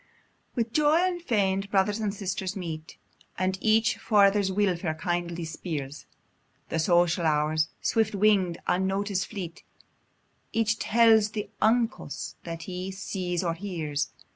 With joy unfeign'd, brothers and sisters meet, And each for other's weelfare kindly speirs: The social hours, swift wing'd, unnotic'd fleet: Each tells the uncos that he sees or hears.